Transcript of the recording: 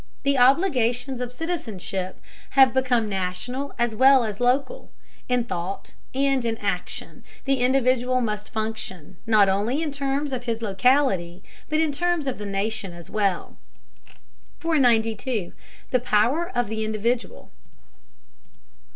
The obligations of citizenship have become national as well as local; in thought and in action the individual must function, not only in terms of his locality, but in terms of the nation as well. 492. THE POWER OF THE INDIVIDUAL.